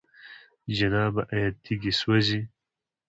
جنابه! آيا تيږي سوزي؟